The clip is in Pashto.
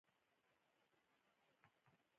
يو سړی په لاره روان وو